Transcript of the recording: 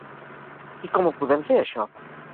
I com ho podem fer això?